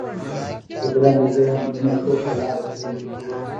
بدرنګه ذهن نه ښو ته لار ورکوي